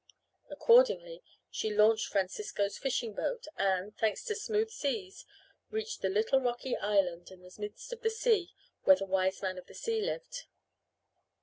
Accordingly, she launched Francisco's fishing boat, and, thanks to smooth seas, reached the little rocky island in the midst of the sea where the Wiseman of the Sea lived.